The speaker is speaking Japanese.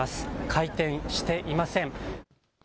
開店していません。